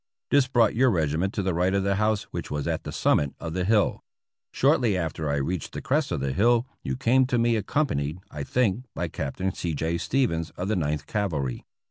This brought your regiment to the right of the house which was at the summit of the hill. Shortly after I reached the crest of the hill you came to me, accompanied, I think, by Captain C. J. Stevens, of the Ninth Cavahy.